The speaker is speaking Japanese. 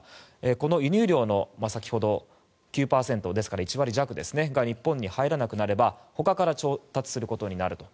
この輸入量の先ほど９％、ですから１割弱が日本に入らなくなればほかから調達することになると。